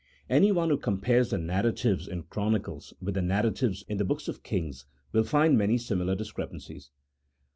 Anyone who compares the narratives in Chronicles with the narratives in the books of Kings, will find many similar discrepancies.